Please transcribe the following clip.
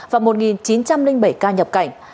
và một chín trăm linh bảy ca nhập cảnh